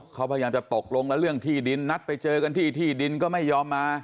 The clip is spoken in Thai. เขาพยายามจะตกลงแล้วเรื่องที่ดินนัดไปเจอกันที่ที่ดินก็ไม่ยอมมา